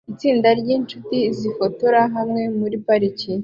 Itsinda ryinshuti zifotoje hamwe muri parike